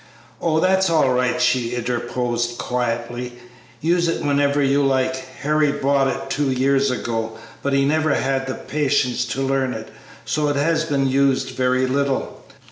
"Oh, that is all right," she interposed, quietly; "use it whenever you like. Harry bought it two years ago, but he never had the patience to learn it, so it has been used very little.